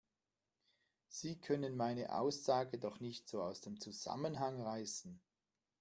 Sie können meine Aussage doch nicht so aus dem Zusammenhang reißen!